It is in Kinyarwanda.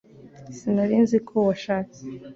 Sinari nzi ko washatse